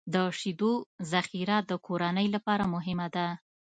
د شیدو ذخیره د کورنۍ لپاره مهمه ده.